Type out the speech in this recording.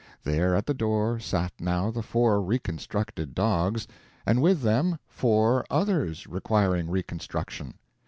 There at the door sat now the four reconstructed dogs, and with them four others requiring reconstruction.